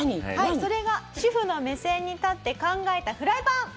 それが主婦の目線に立って考えたフライパン。